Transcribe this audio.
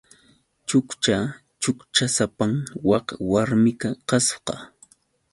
Chukcha chukchasapam wak warmiqa kasqa.